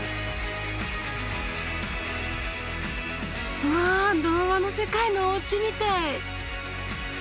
うわ童話の世界のおうちみたい。